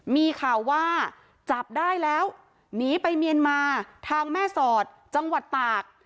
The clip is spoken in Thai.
มีข่าวว่าจับได้แล้วหนีไปเมียนมาทางแม่สอดจังหวัดตาก